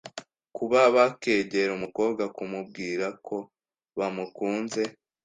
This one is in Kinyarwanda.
kuba bakegera umukobwa kumubwirako bamukunze